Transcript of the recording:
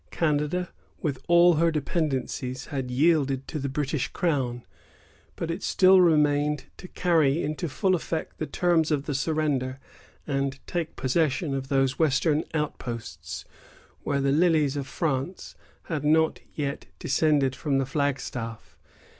Canada, with all her dependencies, had yielded to the British crown; but it still remained to carry into full effect the terms of the surrender, and take possession of those western outposts, where the lilies of France had not as yet descended from the flagstaff.